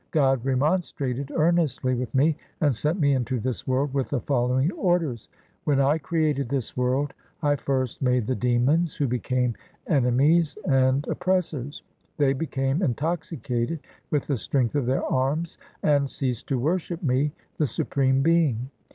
God remonstrated earnestly with me, And sent me into this world with the following orders :— 4 When I created this world I first made the demons, who became enemies and op pressors. They became intoxicated with the strength of their arms, And ceased to worship Me, the Supreme Being.